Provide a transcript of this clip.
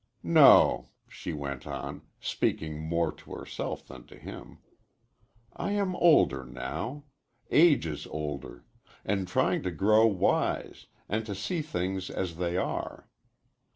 "No," she went on speaking more to herself than to him, "I am older, now ages older, and trying to grow wise, and to see things as they are.